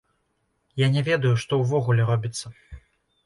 Я не ведаю, што ўвогуле робіцца.